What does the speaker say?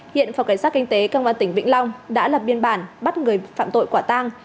hiện phòng cảnh sát kinh tế công an tỉnh vĩnh long đã lập biên bản bắt người phạm tội quả tang